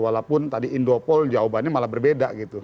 walaupun tadi indopol jawabannya malah berbeda gitu